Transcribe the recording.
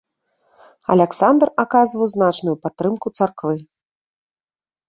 Аляксандр аказваў значную падтрымку царквы.